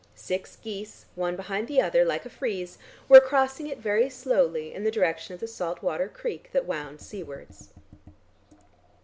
Six geese, one behind the other, like a frieze, were crossing it very slowly in the direction of the salt water creek that wound seawards.